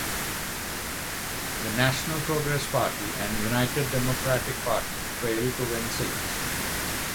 The National Progress Party and United Democratic Party failed to win seats.